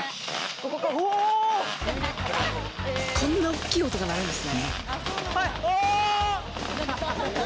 こんな大きい音が鳴るんですね。